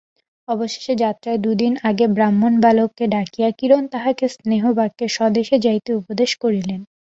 অবশেষে যাত্রার দুই দিন আগে ব্রাহ্মণবালককে ডাকিয়া কিরণ তাহাকে স্নেহবাক্যে স্বদেশে যাইতে উপদেশ করিলেন।